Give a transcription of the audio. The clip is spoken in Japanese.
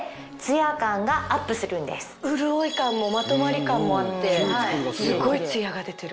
潤い感もまとまり感もあってすごいツヤが出てる。